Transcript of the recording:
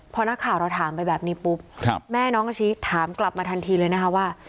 พอนักข่าวเราถามไปแบบนี้ปุ๊บแม่น้องอาชิถามกลับมาทันทีเลยนะคะว่า